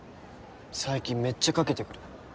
最近めっちゃかけてくる。